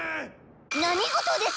何事です！